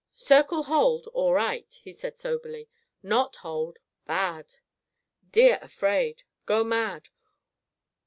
"Circle hold, all right," he said soberly. "Not hold, bad! Deer afraid. Go mad.